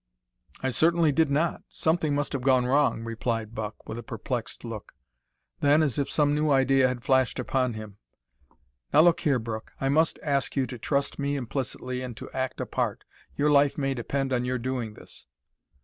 "I certainly did not; something must have gone wrong," replied Buck, with a perplexed look. Then, as if some new idea had flashed upon him, "Now, look here, Brooke, I must ask you to trust me implicitly and to act a part. Your life may depend on your doing this."